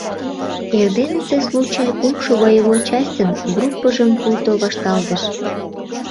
Эрденысе случай кумшо боевой частьын группыжым пуйто вашталтыш.